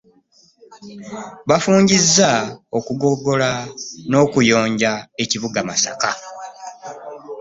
Bafungiza okugogola n'okuyonja ekibuga Masaka.